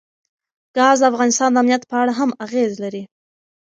ګاز د افغانستان د امنیت په اړه هم اغېز لري.